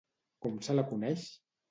Com se la coneix?